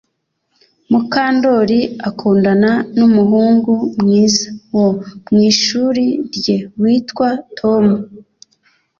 Mukandoli akundana numuhungu mwiza wo mwishuri rye witwa Tom